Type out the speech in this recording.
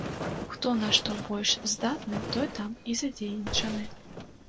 Хто на што больш здатны, той там і задзейнічаны.